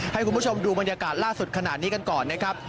ให้คุณผู้ชมดูบรรยากาศล่าสุดขนาดนี้กันก่อนนะครับ